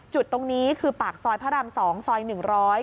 จุดตรงนี้คือปากซอยพระราม๒ซอย๑๐๐